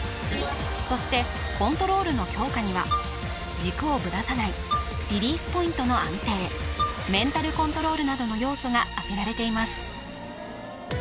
そして「コントロール」の強化には「軸をぶらさない」「リリースポイントの安定」「メンタルコントロール」などの要素が挙げられています